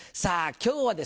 今日はですね